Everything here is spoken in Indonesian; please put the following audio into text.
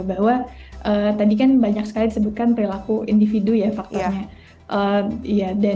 bahwa tadi kan banyak sekali disebutkan perilaku individu ya faktornya